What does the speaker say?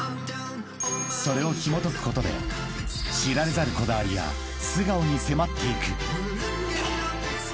［それをひもとくことで知られざるこだわりや素顔に迫っていく］